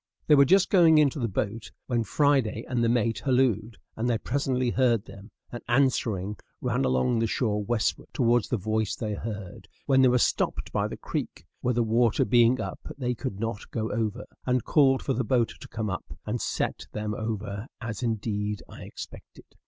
They were just going into the boat when Friday and the mate hallooed; and they presently heard them, and answering ran along the shore westward, towards the voice they heard, when they were stopped by the creek, where, the water being up, they could not get over, and called for the boat to come up and set them over; as, indeed, I expected.